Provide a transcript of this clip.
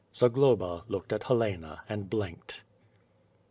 Zagloba looked at Helena and blinked.